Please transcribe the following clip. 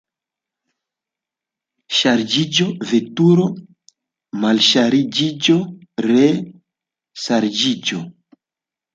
Ŝarĝiĝo, veturo, malŝargiĝo, ree ŝarĝiĝo.